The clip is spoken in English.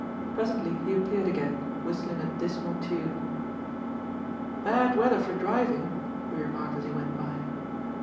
Presently he appeared again whist ling a dismal tune. " Bad weather for driving," he remarked as he went by.